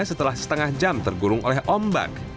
setelah setengah jam tergurung oleh ombak